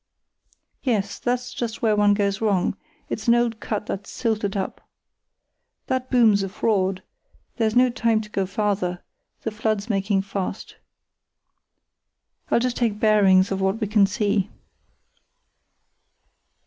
"Yes, that's just where one goes wrong, it's an old cut that's silted up. That boom's a fraud; there's no time to go farther, the flood's making fast. I'll just take bearings of what we can see."